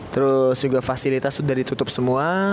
terus juga fasilitas sudah ditutup semua